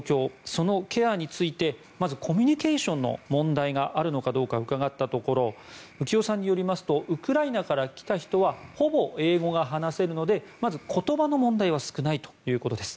そのケアについてまずコミュニケーションの問題があるのかどうか伺ったところ浮世さんによりますとウクライナから来た人はほぼ英語が話せるのでまず、言葉の問題は少ないということです。